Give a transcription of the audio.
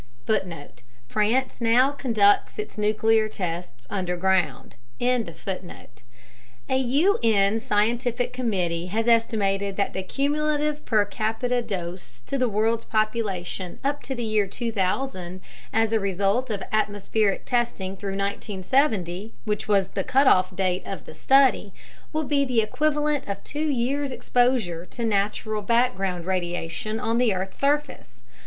(France now conducts its nuclear tests underground.) A U.N. scientific committee has estimated that the cumulative per capita dose to the world's population up to the year 2000 as a result of atmospheric testing through 1970 (cutoff date of the study) will be the equivalent of 2 years' exposure to natural background radiation on the earth's surface.